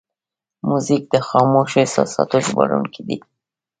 موزیک د خاموشو احساساتو ژباړونکی دی.